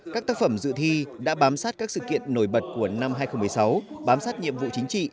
các tác phẩm dự thi đã bám sát các sự kiện nổi bật của năm hai nghìn một mươi sáu bám sát nhiệm vụ chính trị